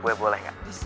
gue boleh gak